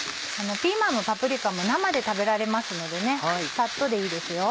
ピーマンもパプリカも生で食べられますのでサッとでいいですよ。